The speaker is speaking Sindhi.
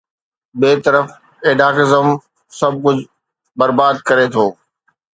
ٻئي طرف ايڊهاڪزم، سڀ ڪجهه برباد ڪري ٿو.